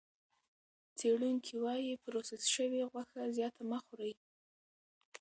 څېړونکي وايي پروسس شوې غوښه زیاته مه خورئ.